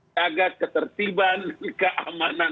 jaga ketertiban dan keamanan masyarakat